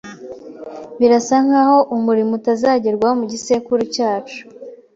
Birasa nkaho umurimo utazagerwaho mu gisekuru cyacu.